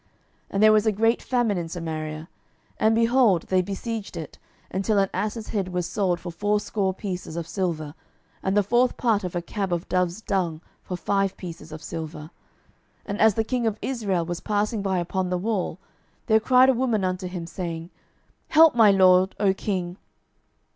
12:006:025 And there was a great famine in Samaria: and, behold, they besieged it, until an ass's head was sold for fourscore pieces of silver, and the fourth part of a cab of dove's dung for five pieces of silver. 12:006:026 And as the king of Israel was passing by upon the wall, there cried a woman unto him, saying, Help, my lord, O king.